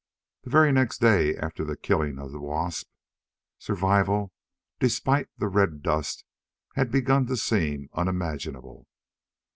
The very next day after the killing of the wasp, survival despite the red dust had begun to seem unimaginable.